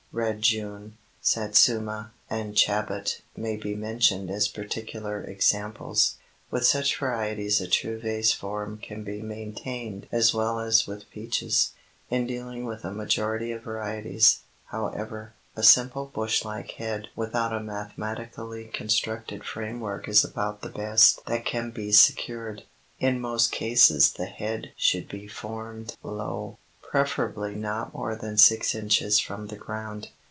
Red June, Satsuma, and Chabot may be mentioned as particular examples. With such varieties a true vase form can be maintained as well as with peaches. In dealing with a majority of varieties, however, a simple bush like head without a mathematically constructed frame work is about the best that can be secured. In most cases the head should be formed low, preferably not more than six inches from the ground.